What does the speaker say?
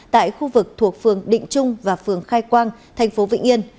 tại khu vực thuộc phường định trung và phường khai quang thành phố vĩnh yên